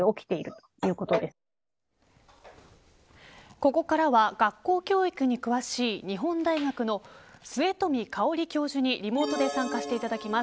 ここからは学校教育に詳しい日本大学の末冨芳教授にリモートで参加していただきます。